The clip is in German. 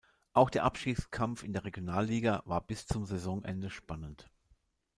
Auch der Abstiegskampf in der Regionalliga war bis zum Saisonende spannend.